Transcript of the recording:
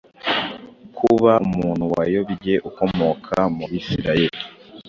Kuba umuntu wayobye ukomoka mu Bisirayeli